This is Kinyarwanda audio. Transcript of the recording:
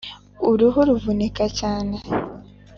uruhu ruvunika cyane